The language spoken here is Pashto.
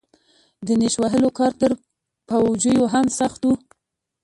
د نېش وهلو کار تر پوجيو هم سخت و.